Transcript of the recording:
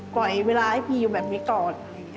ปล่อยเวลาให้พี่อยู่แบบนี้ก่อน